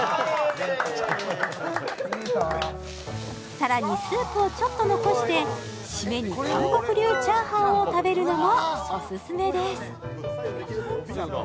さらにスープをちょっと残してシメに韓国流チャーハンを食べるのもオススメです